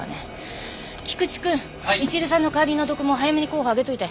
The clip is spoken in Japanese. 菊池くんみちるさんの代わりの読モ早めに候補挙げといて。